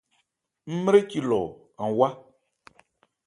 Ńmréci lɔ, an wá.